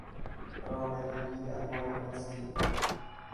رانندگی در حال مستی